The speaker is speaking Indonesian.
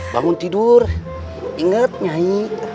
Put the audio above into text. bangun tidur inget nyai